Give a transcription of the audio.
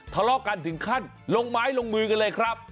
ทะเลาะกันถึงขั้นลงไม้ลงมือกันเลยครับ